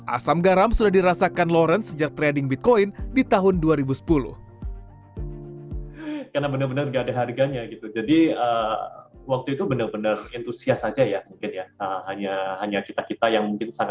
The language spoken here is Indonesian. asam garam sudah dirasakan lawrence sejak trading bitcoin di tahun dua ribu sepuluh